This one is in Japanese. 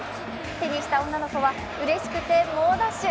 手にした女の子はうれしくて猛ダッシュ。